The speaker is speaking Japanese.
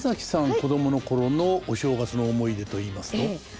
子供の頃のお正月の思い出といいますと？